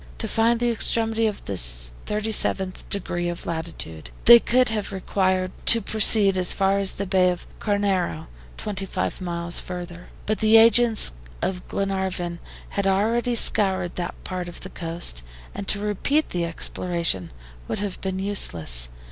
To find the extremity of the 37th degree of latitude, they would have required to proceed as far as the Bay of Carnero, twenty miles further. But the agents of Glenarvan had already scoured that part of the coast, and to repeat the exploration would have been useless.